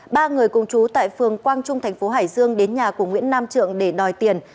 ba người cùng chú tại phường quang trung thành phố hải dương đến nhà của nguyễn nam trượng để đòi tiền